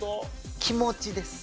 気持ちです。